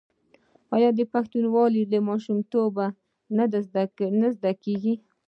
آیا پښتونولي له ماشومتوبه نه زده کیږي؟